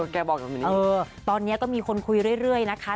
แกบอกแบบนี้ตอนนี้ก็มีคนคุยเรื่อยนะคะ